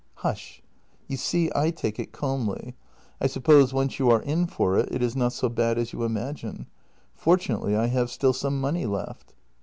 " Hush. You see I take it calmly. I suppose once you are in for it, it is not so bad as you imagine. Fortunately I have still some money left."